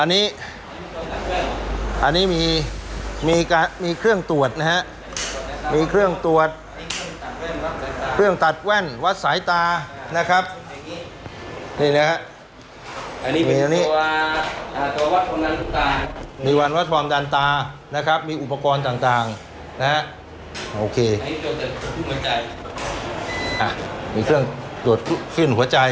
อันนี้มีเครื่องตรวจนะครับมีเครื่องตรวจเครื่องตัดแว่นวัดสายตานะครับนี่นะครับมีวัดวัดฟอร์มดันตานะครับมีอุปกรณ์ต่างนะครับโอเคมีเครื่องตรวจขึ้นหัวใจ